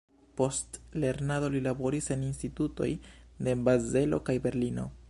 Post lernado li laboris en institutoj de Bazelo kaj Berlino.